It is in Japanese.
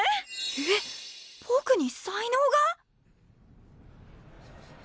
えっぼくに才能が？